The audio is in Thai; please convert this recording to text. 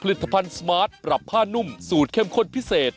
ผลิตภัณฑ์สมาร์ทปรับผ้านุ่มสูตรเข้มข้นพิเศษ